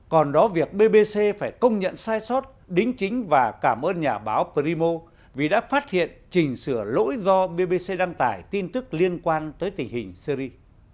còn đó việc bbc phải công nhận sai sót đính chính và cảm ơn nhà báo primo vì đã phát hiện chỉnh sửa lỗi do bbc đăng tải tin tức liên quan tới tình hình syri